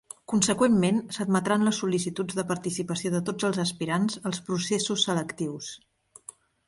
Conseqüentment, s’admetran les sol·licituds de participació de tots els aspirants als processos selectius.